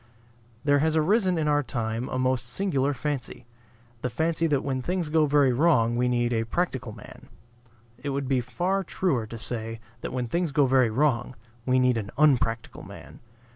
There has arisen in our time a most singular fancy: the fancy that when things go very wrong we need a practical man. It would be far truer to say, that when things go very wrong we need an unpractical man.